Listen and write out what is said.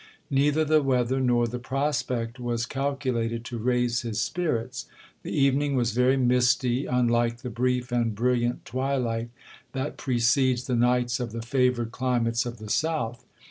Neither the weather nor the prospect was calculated to raise his spirits. The evening was very misty, unlike the brief and brilliant twilight that precedes the nights of the favoured climates of the south.